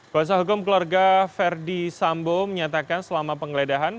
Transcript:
bersahukum kelarga verdi sambo menyatakan selama penggeledahan